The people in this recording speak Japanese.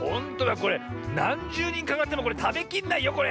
これなんじゅうにんかかってもこれたべきれないよこれ。